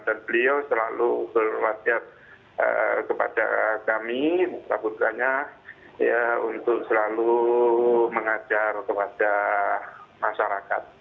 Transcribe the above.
dan beliau selalu berwasiat kepada kami putra putranya untuk selalu mengajar kepada masyarakat